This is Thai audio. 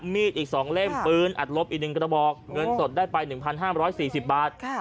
มีดอีก๒เล่มปืนอัดลบอีก๑กระบอกเงินสดได้ไป๑๕๔๐บาท